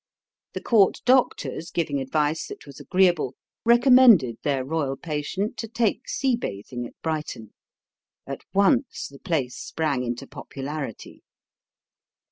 The court doctors, giving advice that was agreeable, recommended their royal patient to take sea bathing at Brighton. At once the place sprang into popularity.